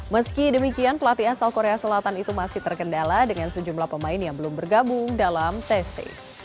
meski demikian pelatih asal korea selatan itu masih terkendala dengan sejumlah pemain yang belum bergabung dalam testing